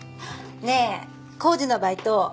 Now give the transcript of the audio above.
ねえ工事のバイト